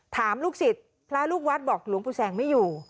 ถามลูกศิษย์พระลูกวัดบอกหลวงปู่แสงไม่อยู่